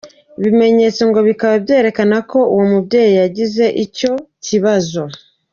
Ibimenyetso ngo bikaba byarerekanaga ko uwo mubyeyi yagize icyo kibazo.